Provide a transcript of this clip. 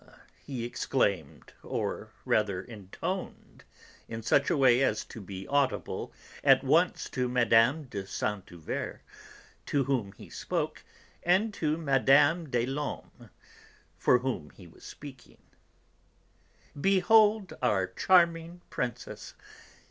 he exclaimed, or rather intoned, in such a way as to be audible at once to Mme. de Saint Euverte, to whom he spoke, and to Mme. des Laumes, for whom he was speaking, "Behold our charming Princess!